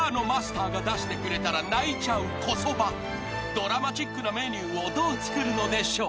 ［ドラマチックなメニューをどう作るのでしょう？］